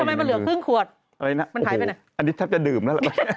แล้วทำไมมันเหลือครึ่งขวดมันถ่ายไปไหนอันนี้แทบจะดื่มแล้วล่ะ